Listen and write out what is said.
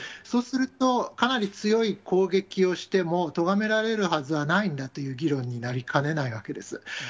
そうすると、かなり強い攻撃をしても、とがめられるはずはないんだという議論になりかねないわけです。